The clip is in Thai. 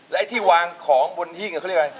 แล้วที่วางของบนเฮียมันเขาเรียกอะไร